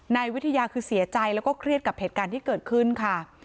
นายวิทยาคือเสียใจแล้วก็เครียดกับเหตุการณ์ที่เกิดขึ้นค่ะ